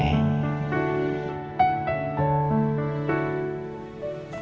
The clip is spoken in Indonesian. terima kasih ya atas